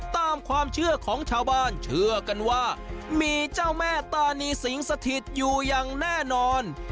ตามความเชื่อของชาวบ้านเชื่อกันว่ามีเจ้าแม่ตานีสิงสถิตอยู่อย่างแน่นอน